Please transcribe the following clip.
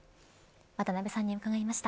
渡辺さんに伺いました。